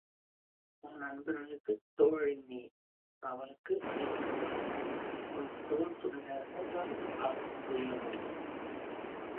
உன் நண்பர்களுக்குத் தோழன் நீ அவளுக்கு நீ தோளன் உன் தோள் துணையாகத் தான் அவள் துயில முடியும்.